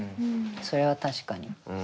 それは確かに。